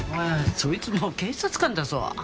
そいつも警察官だぞ。